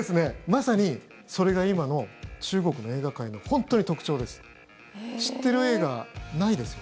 まさにそれが今の中国の映画界の本当に特徴です。